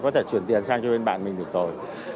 có thể chuyển tiền sang cho bên bạn mình được rồi